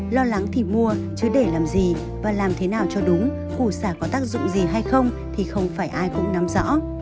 lo lắng thì mua chứ để làm gì và làm thế nào cho đúng củ sạc có tác dụng gì hay không thì không phải ai cũng nắm rõ